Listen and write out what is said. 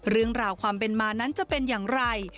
เรื่องราวความเป็นมานั้นจะเป็นอย่างไร